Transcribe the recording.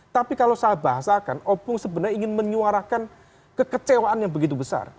tapi kalau saya bahasakan opung sebenarnya ingin menyuarakan kekecewaan yang begitu besar